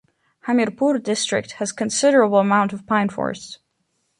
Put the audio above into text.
Hamirpur district has considerable amount of Pine forests.